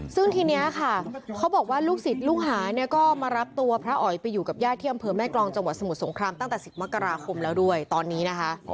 ซึ่งทีนี้ค่ะเขาบอกว่าลูกศิษย์ลูกหาเนี่ยก็มารับตัวพระอ๋อยไปอยู่กับญาติที่อำเภอแม่กรองจังหวัดสมุทรสงครามตั้งแต่๑๐มกราคมแล้วด้วยตอนนี้นะคะ